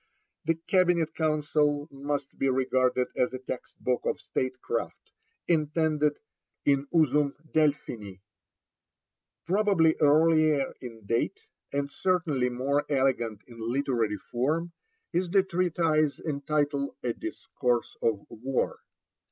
The Cabinet Council must be regarded as a text book of State craft, intended in usum Delphini. Probably earlier in date, and certainly more elegant in literary form, is the treatise entitled A Discourse of War.